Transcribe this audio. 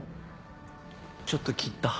ちょっと切った。